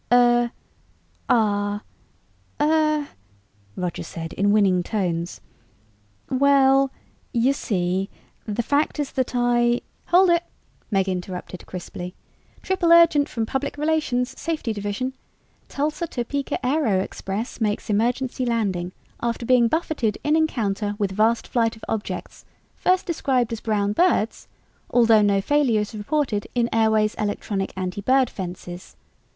"Er ... ah ... er...." Roger said in winning tones. "Well, you see, the fact is that I...." "Hold it," Meg interrupted crisply. "Triple urgent from Public Relations, Safety Division. Tulsa Topeka aero express makes emergency landing after being buffeted in encounter with vast flight of objects first described as brown birds, although no failures reported in airway's electronic anti bird fences.